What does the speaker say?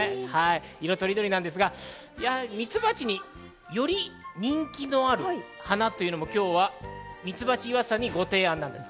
色とりどりですが、ミツバチにより人気のある花というのも今日はミツバチ岩田さんにご提案です。